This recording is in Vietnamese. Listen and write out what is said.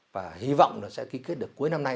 và hy vọng là sẽ ký kết được cuối năm nay